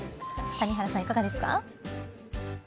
谷原さん、いかがですか。